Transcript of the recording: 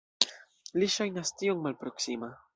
Li ŝajnas tiom malproksima.